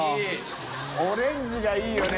オレンジがいいよね。